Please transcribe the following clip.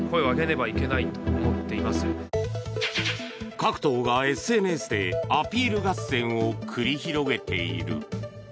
各党がＳＮＳでアピール合戦を繰り広げている。